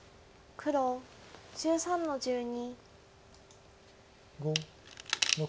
黒１０の十二。